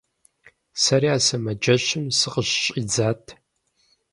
Сэри а сымаджэщым сыкъыщыщӏидзат.